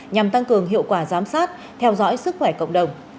nhằm tăng cường hiệu quả giám sát theo dõi sức khỏe cộng đồng